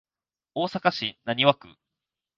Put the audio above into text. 大阪市浪速区